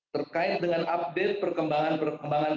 terkait dengan update perkembangan perkembangan